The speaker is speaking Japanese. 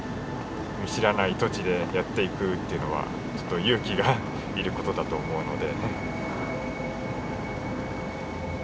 見知らない土地でやっていくっていうのはちょっと勇気がいることだと思うので。